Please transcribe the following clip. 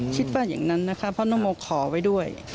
คิดว่าอย่างนั้นนะคะเพราะน้องโมขอไว้ด้วย